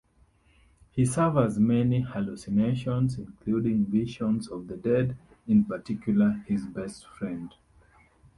He suffers many hallucinations including visions of the dead, in particular his best friend.